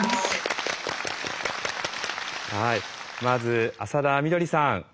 まず浅田みどりさん。